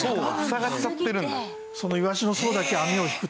塞がっちゃってるんだ。